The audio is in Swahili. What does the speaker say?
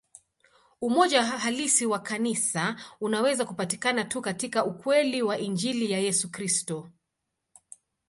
Umoja halisi wa Kanisa unaweza kupatikana tu katika ukweli wa Injili ya Yesu Kristo.